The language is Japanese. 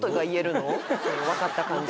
わかった感じで。